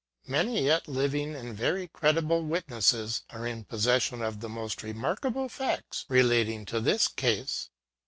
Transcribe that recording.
Many yet living and very credible witnesses, are in pos session of the most remarkable facts relating to this case.